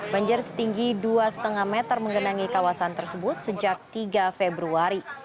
banjir setinggi dua lima meter menggenangi kawasan tersebut sejak tiga februari